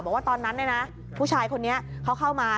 บอกว่าตอนนั้นผู้ชายคนนี้เขาเข้ามา